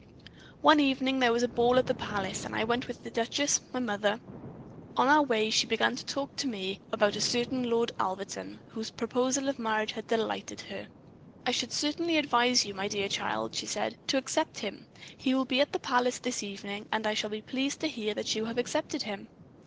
"One evening there was a ball at the palace, and I went with the duchess, my mother. On our way she began to talk to me about a certain Lord Alverton, whose proposal of marriage had delighted her. "'I should certainly advise you, my dear child,' she said, 'to accept him. He will be at the palace this evening, and I shall be pleased to hear that you have accepted him.'